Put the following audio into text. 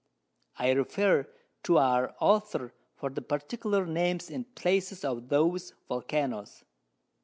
I refer to our Author for the particular Names and Places of those Vulcanos.